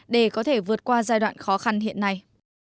để có thể vượt qua giai đoạn khó khăn hiện nay